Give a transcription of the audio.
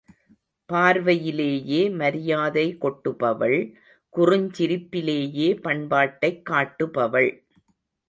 பார்வையிலேயே மரியாதை கொட்டுபவள் குறுஞ்சிரிப்பிலேயே பண்பாட்டைக் காட்டுபவள்.